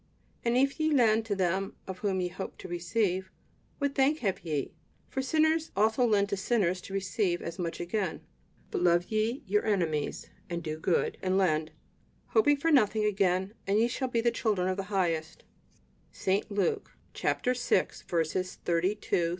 And if ye lend to them of whom ye hope to receive, what thank have ye? for sinners also lend to sinners to receive as much again. But love ye your enemies, and do good, and lend, hoping for nothing again, and ye shall be the children of the Highest" (St. Luke vi, 32 35).